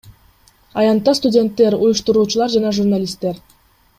Аянтта студенттер, уюштуруучулар жана журналисттер.